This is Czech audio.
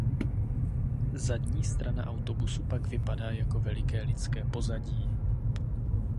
Zadní strana autobusu pak vypadá jako veliké lidské pozadí.